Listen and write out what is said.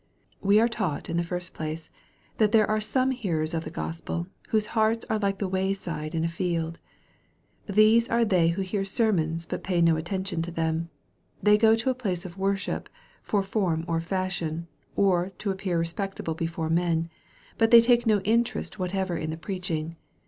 We are taught, in the first place, that there are some hearers of the Gospel, whose hearts are like the way side in afield. These are they who hear sermons, but pay no atten tion to them. They go to a place of worship, for form or fashion, or to appear respectable before men. But they take no interest whatever in the preaching.